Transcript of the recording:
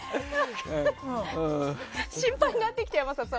心配になってきた山里さん。